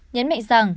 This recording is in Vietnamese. nhấn mạnh rằng